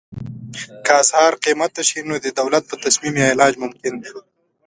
که اسعار قیمته شي نو د دولت په تصمیم یې علاج ممکن دی.